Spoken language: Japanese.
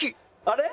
あれ？